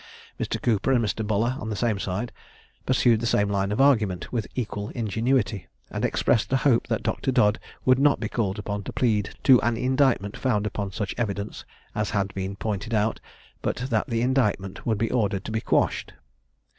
Mr. Cooper and Mr. Buller, on the same side, pursued the same line of argument with equal ingenuity, and expressed a hope that Dr. Dodd would not be called upon to plead to an indictment found upon such evidence as had been pointed out, but that the indictment would be ordered to be quashed.